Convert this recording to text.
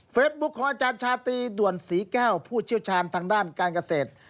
ของอาจารย์ชาตรีด่วนศรีแก้วผู้เชี่ยวชาญทางด้านการเกษตร